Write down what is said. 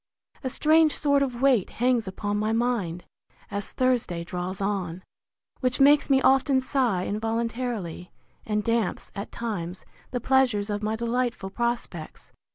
A strange sort of weight hangs upon my mind, as Thursday draws on, which makes me often sigh involuntarily, and damps, at times, the pleasures of my delightful prospects!